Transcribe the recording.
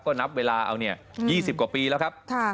ก็นับเวลาเอาเนี่ยยี่สิบกว่าปีแล้วครับท่า